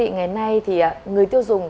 ngày nay người tiêu dùng